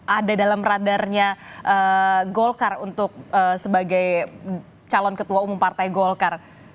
ada dalam radarnya golkar untuk sebagai calon ketua umum partai golkar